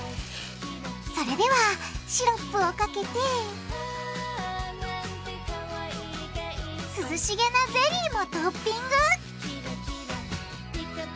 それではシロップをかけて涼しげなゼリーもトッピング！